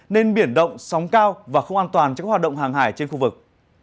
nên biển động sóng cao và không an toàn cho các hoạt động hàng hải trên khu vực